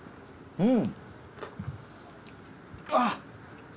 うん！